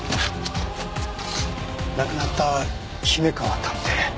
亡くなった姫川探偵？